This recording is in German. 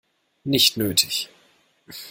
Nicht nötig.